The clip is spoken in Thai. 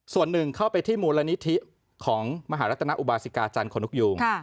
ส่วนหนึ่งเข้าไปที่มูลนิธิของมหารัตนอุบาสิกาจันทนกยูง